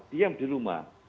diam di rumah